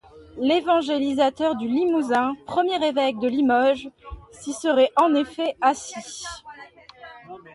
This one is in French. L'évangélisateur du Limousin, premier évêque de Limoges, s'y serait en effet assis.